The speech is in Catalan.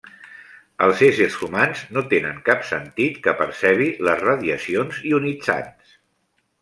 Els éssers humans no tenen cap sentit que percebi les radiacions ionitzants.